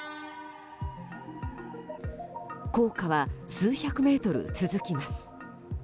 高架は数百メートル続きます。